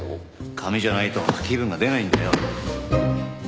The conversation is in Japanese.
紙じゃないと気分が出ないんだよ。